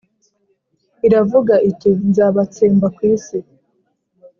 iravuga iti ‘Nzabatsemba ku isi